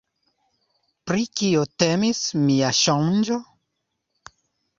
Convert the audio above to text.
Pri kio temis mia sonĝo?